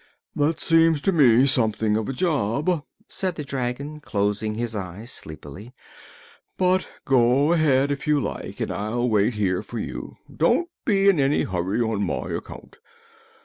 "That seems to me something of a job," said the dragon, closing his eyes sleepily. "But go ahead, if you like, and I'll wait here for you. Don't be in any hurry on my account.